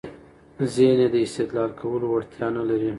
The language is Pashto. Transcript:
ذهن يې د استدلال کولو وړتیا نلري.